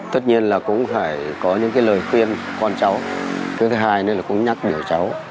tất nhiên là cũng phải có những cái lời khuyên con cháu thứ hai nữa là cũng nhắc nhở cháu